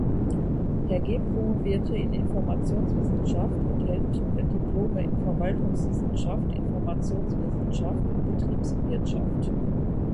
Herget promovierte in Informationswissenschaft und hält Diplome in Verwaltungswissenschaft, Informationswissenschaft und Betriebswirtschaft.